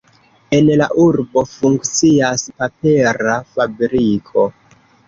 En la urbo funkcias papera fabriko.